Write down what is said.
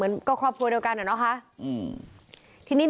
พุ่งเข้ามาแล้วกับแม่แค่สองคน